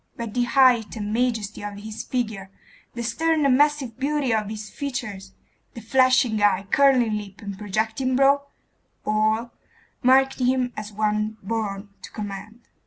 But the height and majesty of his figure, the stern and massive beauty of his features, the flashing eye, curling lip, and projecting brow all marked him as one born to command.